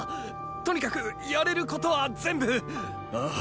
とにかくやれることは全部っ。